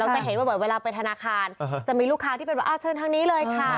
จะเห็นบ่อยเวลาไปธนาคารจะมีลูกค้าที่เป็นว่าเชิญทางนี้เลยค่ะ